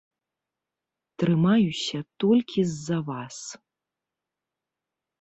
Трымаюся толькі з-за вас.